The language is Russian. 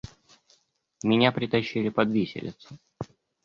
Меня притащили под виселицу.